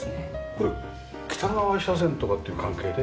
これ北側斜線とかっていう関係で？